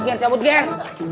aduh apaan kalian